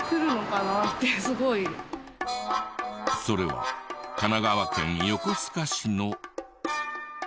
それは神奈川県横須賀市の。